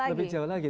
lebih jauh lagi